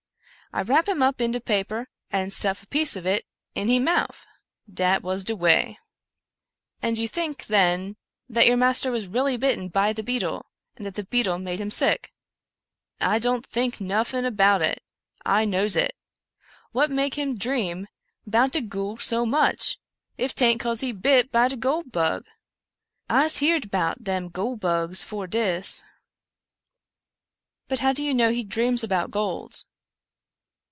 I rap him up in de paper and stuff a piece of it in he mouff — dat was de way." '* And you think, then, that your master was really bitten by the beetle, and that the bite made him sick ?"" I don't think noffin about it — I nose it. What make him dream 'bout de goole so much, if 'taint cause he bit by the goole bug? Ise heered 'bout dem goole bugs 'fore dis." " But how do you know he dreams about gold